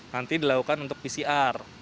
nanti dilakukan untuk pcr